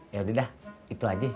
yaudah dah itu aja